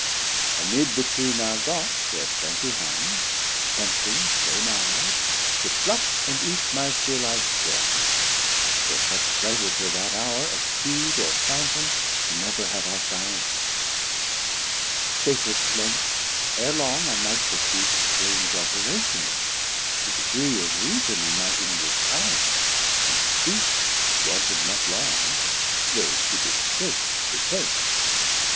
Amid the Tree now got, where plentie hung Tempting so nigh, to pluck and eat my fill I spar'd not, for such pleasure till that hour At Feed or Fountain never had I found. Sated at length, ere long I might perceave Strange alteration in me, to degree Of Reason in my inward Powers, and Speech 600 Wanted not long, though to this shape retaind.